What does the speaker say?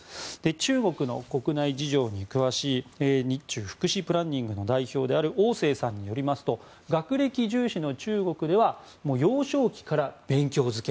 中国の国内事情に詳しい日中福祉プランニングの代表オウ・セイさんによりますと学歴重視の中国では幼少期から勉強漬け。